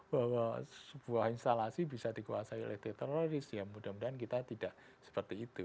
bahwa sebuah instalasi bisa dikuasai oleh teroris ya mudah mudahan kita tidak seperti itu